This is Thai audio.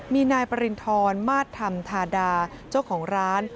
มีนายปริณฑรมาสธรรมธาดาเจ้าของร้าน